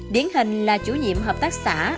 điển hình là chủ nhiệm hợp tác xã